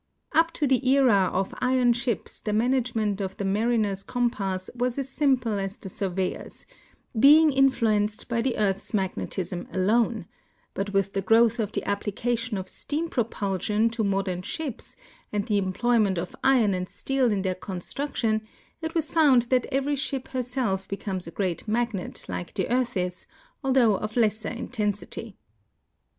Up to the era of iron ships the management of the mariner's compass was as sim[)le as the surveyor's, heing influenced hy the earth's magnetism alone ; but with the growth of the application of steam propulsion to modern ships and the employment of iron and steel in their construction it was found that every shi|) her self becomes a great magnet like the earth is, although of lesser intensity.